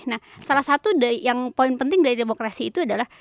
nah salah satu yang poin penting dari demokrasi itu adalah